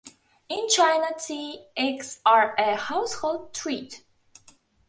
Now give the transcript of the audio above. In China, tea eggs are a household treat.